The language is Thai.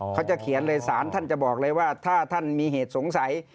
เขาจะเขียนเลยสารท่านจะบอกเลยว่าถ้าท่านมีเหตุสงสัย